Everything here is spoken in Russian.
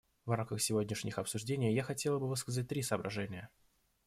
В рамках сегодняшних обсуждений я хотела бы высказать три соображения.